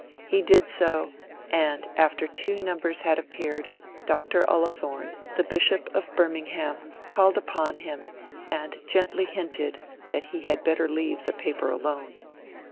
He did so, and after two numbers had appeared, Dr. Ullathorne, the Bishop of Birmingham, called upon him, and gently hinted that he had better leave the paper alone.